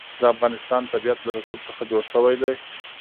د افغانستان طبیعت له رسوب څخه جوړ شوی دی.